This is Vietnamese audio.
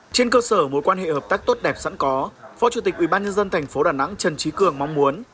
trên cơ sở mối quan hệ hợp tác tốt đẹp sẵn có phó chủ tịch ubnd thành phố đà nẵng trần trí cường mong muốn